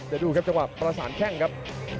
เดี๋ยวดูครับจังหวะประสานแข้งครับ